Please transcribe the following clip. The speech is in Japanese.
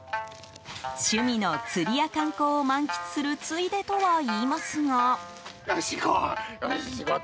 趣味の釣りや観光を満喫するついでとはいいますが。